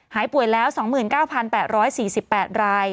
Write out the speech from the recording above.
หายป่วยแล้ว๒๙๘๔๘ราย